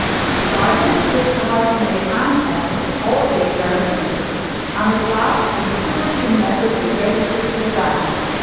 The gardener, the cook, the housemaid, and Ethel all gave their assistance, and at last, with a superhuman effort, they raised it to the van.